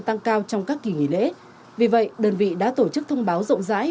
tăng cao trong các kỳ nghỉ lễ vì vậy đơn vị đã tổ chức thông báo rộng rãi